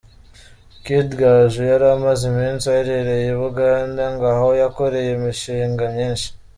Kid Gaju yari amaze iminsi aherereye i Bugande ngo aho yakoreye imishinga myinshi.